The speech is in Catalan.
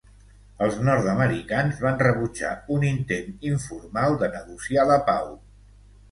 Els nord-americans van rebutjar un intent informal de negociar la pau.